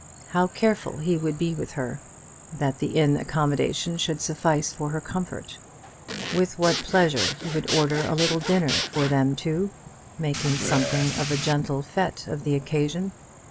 How careful he would be with her, that the inn accommodation should suffice for her comfort! With what pleasure would he order a little dinner for them two, making something of a gentle fête of the occasion!